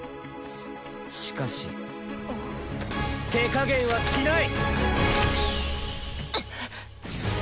しかし手加減はしない！